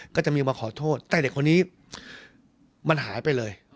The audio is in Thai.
ก็จะมีมาขอโทษแต่เด็กคนนี้มันหายไปเลย